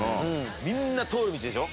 みんな通る道でしょ？